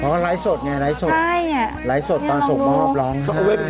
เพราะเขาไล่สดไงไล่สดตอนส่งมอบร้องให้